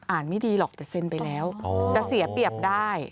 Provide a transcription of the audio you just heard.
ไม่ดีหรอกแต่เซ็นไปแล้วจะเสียเปรียบได้